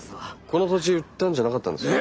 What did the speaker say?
この土地売ったんじゃなかったんですか？